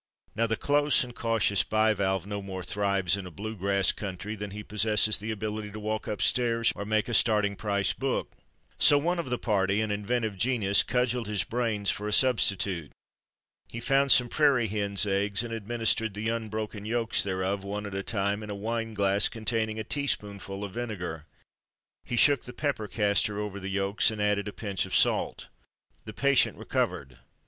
Now the close and cautious bivalve no more thrives in a blue grass country than he possesses the ability to walk up stairs, or make a starting price book. So one of the party, an inventive genius, cudgelled his brains for a substitute. He found some prairie hen's eggs, and administered the unbroken yolks thereof, one at a time, in a wine glass containing a teaspoonful of vinegar. He shook the pepper castor over the yolks and added a pinch of salt. The patient recovered.